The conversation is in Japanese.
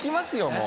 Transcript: もう。